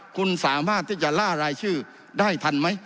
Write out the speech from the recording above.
คุณสามารถที่จะล่ารายชื่อได้ทันไหม